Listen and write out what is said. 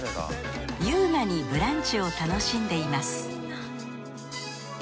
優雅にブランチを楽しんでいます。